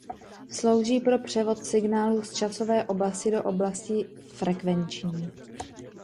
Slouží pro převod signálů z časové oblasti do oblasti frekvenční.